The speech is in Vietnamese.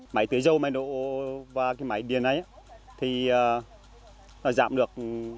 máy tưới dầu máy nổ và máy điện này giảm được năm mươi